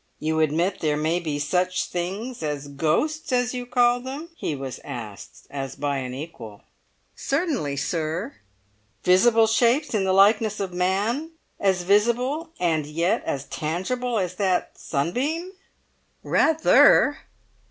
"You admit there may be such things as ghosts, as you call them?" he was asked as by an equal. "Certainly, sir." "Visible shapes, in the likeness of man? As visible and yet as tangible as that sunbeam?" "Rather!"